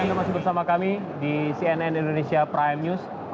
anda masih bersama kami di cnn indonesia prime news